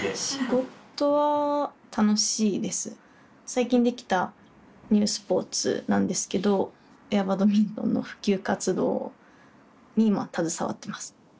最近できたニュースポーツなんですけどエアバドミントンの普及活動に今携わってます。